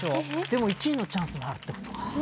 でも１位のチャンスもあるってことか。